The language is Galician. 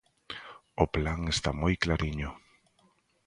O plan está moi clariño.